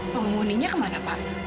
penguninya kemana pak